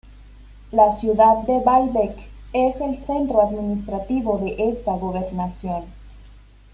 La ciudad de Baalbek es el centro administrativo de esta gobernación.